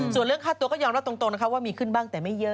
ส่วนเรื่องค่าตัวก็ยอมรับตรงนะคะว่ามีขึ้นบ้างแต่ไม่เยอะ